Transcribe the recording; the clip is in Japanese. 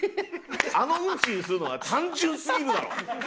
あのうんちにするのは単純すぎるだろ！